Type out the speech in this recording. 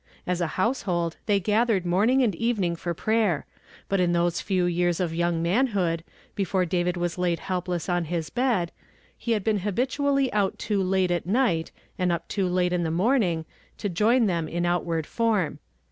As a household they gathered morning and evening for prayer; but in those few years of young manhood, before David was laid helpless on his bed, he had been habitually out too late at night, and up too late in the morning, to join them in outward form.